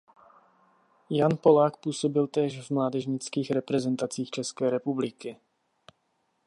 Jan Polák působil též v mládežnických reprezentacích České republiky.